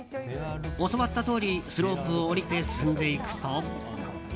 教わったとおりスロープを下りて進んでいくと。